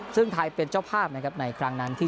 ซึ่งไทยเป็นเจ้าภาพนะครับในครั้งนั้นที่